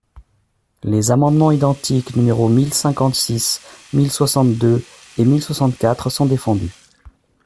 Les amendements identiques numéros mille cinquante-six, mille soixante-deux et mille soixante-quatre sont défendus.